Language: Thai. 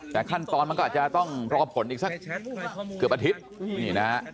แต่ขั้นตอนมันก็อาจจะต้องรอผลอีกสักเกือบอาทิตย์นี่นะฮะ